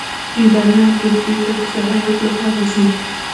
ایرانیان ترکیې ته د سیاحت لپاره ځي.